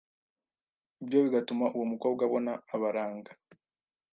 ibyo bigatuma uwo mukobwa abona abaranga